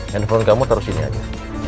telepon kamu taruh sini aja